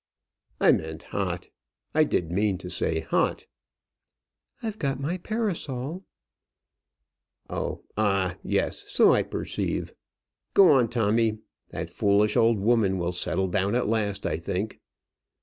"I meant hot. I did mean to say hot." "I've got my parasol." "Oh! ah! yes; so I perceive. Go on, Tommy. That foolish old woman will settle down at last, I think."